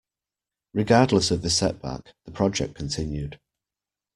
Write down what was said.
Regardless of the setback, the project continued.